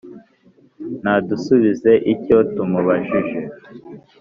Ntadusubize icyo tumubajije